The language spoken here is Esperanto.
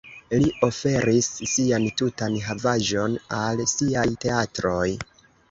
Li oferis sian tutan havaĵon al siaj teatroj.